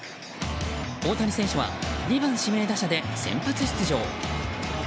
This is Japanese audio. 大谷選手は２番指名打者で先発出場。